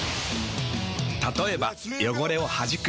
たとえば汚れをはじく。